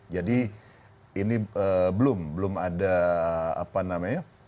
jadi ini belum ada apa namanya